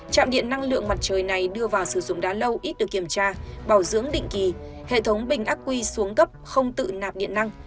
trạm điện năng lượng mặt trời này đưa vào sử dụng đã lâu ít được kiểm tra bảo dưỡng định kỳ hệ thống bình ác quy xuống cấp không tự nạp điện năng